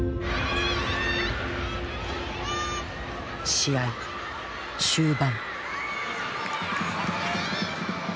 試合終盤。